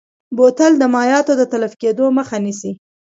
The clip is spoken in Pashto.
بوتل د مایعاتو د تلف کیدو مخه نیسي.